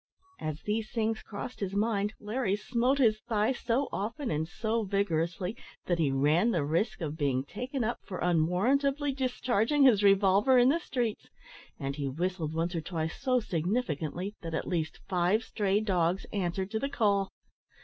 As these things crossed his mind, Larry smote his thigh so often and so vigorously, that he ran the risk of being taken up for unwarrantably discharging his revolver in the streets, and he whistled once or twice so significantly, that at least five stray dogs answered to the call.